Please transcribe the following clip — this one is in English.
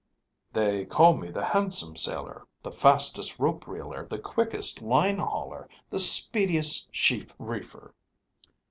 "They call me the handsome sailor, the fastest rope reeler, the quickest line hauler, the speediest sheaf reefer...."